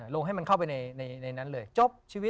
ลงให้มันเข้าไปในนั้นเลยจบชีวิต